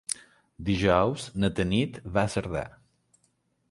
Dijous na Tanit va a Cerdà.